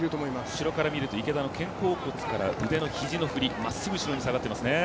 後ろから見ると池田の肩甲骨から、腕の振りまっすぐ後ろに下がっていますね。